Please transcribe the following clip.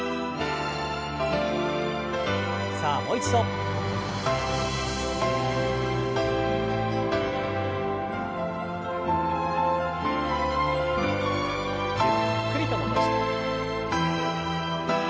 さあもう一度。ゆっくりと戻して。